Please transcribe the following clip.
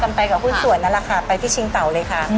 ก็พากันไปกับคุณส่วนนั่นแหละค่ะไปที่ชิงเตาเลยค่ะ